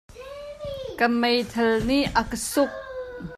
Ka meithal nih a ka suk.